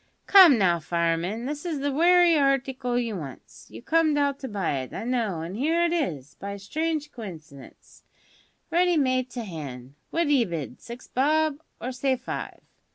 "Come now, fireman, this is the wery harticle you wants. You comed out to buy it, I know, an' 'ere it is, by a strange coincidence, ready made to hand. What d'ye bid? Six bob? Or say five.